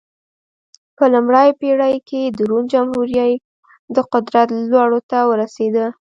په لومړۍ پېړۍ کې د روم جمهوري د قدرت لوړو ته ورسېده.